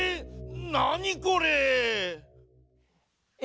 なにこれ⁉え